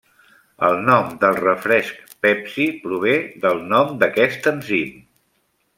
El nom del refresc Pepsi prové del nom d'aquest enzim.